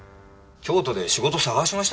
京都で仕事探しましたか？